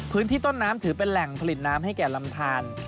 พื้นที่ต้นน้ำถือเป็นแหล่งผลิตน้ำให้แก่ลำทาน